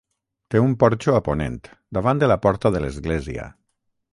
Té un porxo a ponent, davant de la porta de l'església.